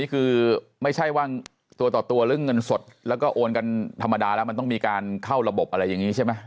ไม่ใช่ว่าตัวต่อตัวเรื่องเงินสดแล้วก็โอนกันธรรมดาแล้วมันต้องมีการเข้าระบบอะไรอย่างนี้ใช่ไหม